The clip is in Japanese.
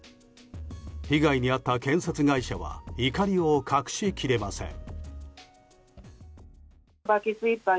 被害に遭った建設会社は怒りを隠しきれません。